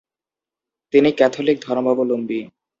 তিনি ক্যাথলিক ধর্মাবলম্বী।